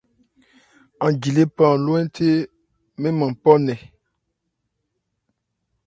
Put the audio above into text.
Aán ji lephan ló hɛ́nthé mɛ́n nman pɔ nkɛ.